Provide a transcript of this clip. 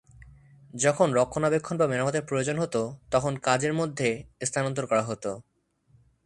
যখন রক্ষণাবেক্ষণ বা মেরামতের প্রয়োজন হতো, তখন কাজের মধ্যে স্থানান্তর করা হতো।